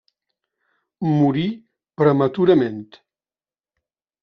Morí prematurament.